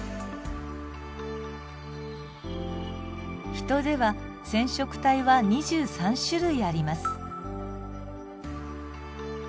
ヒトでは染色体は２３種類あります。